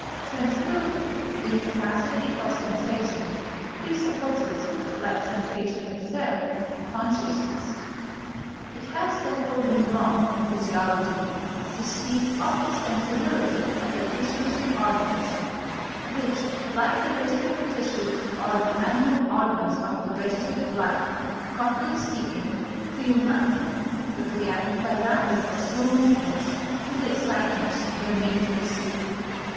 Sensibility, being capacity for sensation, presupposes, like sensation itself, consciousness. It has, therefore, been wrong, in physiology, to speak of the sensibility of the tissues and organs, which, like the vegetable tissues or the animal organs of vegetative life, properly speaking, feel nothing, but react by rapid or slow movements to the excitements they are made to receive.